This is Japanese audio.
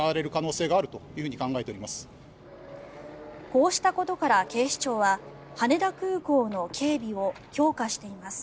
こうしたことから警視庁は羽田空港の警備を強化しています。